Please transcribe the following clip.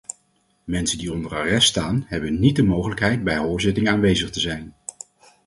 Mensen die onder arrest staan, hebben niet de mogelijkheid bij hoorzittingen aanwezig te zijn.